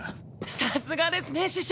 さすがですね師匠！